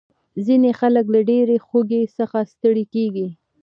ځینې خلک له ډېرې خوږې څخه ستړي کېږي.